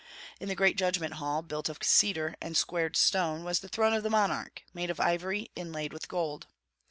In the great Judgment Hall, built of cedar and squared stone, was the throne of the monarch, made of ivory, inlaid with gold.